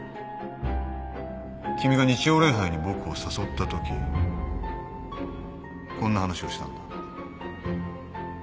君が日曜礼拝に僕を誘ったときこんな話をしたんだ。